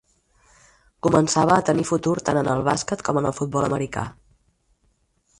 Començava a tenir futur tant en el bàsquet com en el futbol americà.